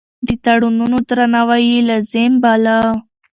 د تړونونو درناوی يې لازم باله.